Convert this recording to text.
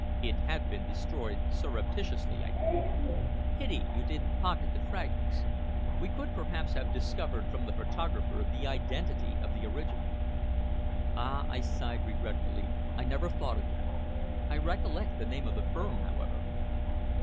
"It had been destroyed surreptitiously, I think." "Pity you didn't pocket the fragments. We could perhaps have discovered from the photographer the identity of the original." "Ah!" I sighed regretfully. "I never thought of that. I recollect the name of the firm, however."